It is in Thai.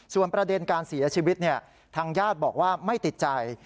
ส่วนประเด็นการเสียชีวิตทางญาติบอกว่าไม่ติดใจ